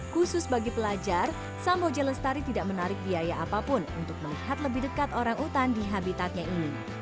khusus bagi pelajar samboja lestari tidak menarik biaya apapun untuk melihat lebih dekat orang utan di habitatnya ini